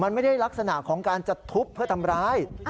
มันไม่ได้ลักษณะของการจะทุบเพื่อทำร้าย